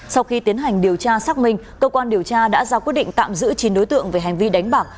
sau khi tiến hành điều tra xác minh cơ quan điều tra đã ra quyết định tạm giữ chín đối tượng về hành vi đánh bạc